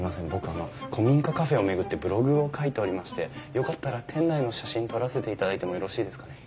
あの古民家カフェを巡ってブログを書いておりましてよかったら店内の写真撮らせていただいてもよろしいですかね？